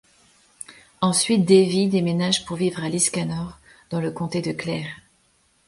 Ensuite Davy déménage pour vivre à Liscannor, dans le comté de Clare.